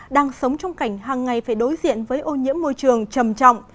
đang sống trong cảnh hàng ngày phải đối diện với ô nhiễm môi trường trầm trọng